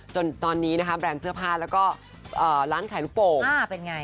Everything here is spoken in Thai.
จนตอนนี้นะคะแบรนด์เสื้อผ้าแล้วก็ร้านขายลูกโป่ง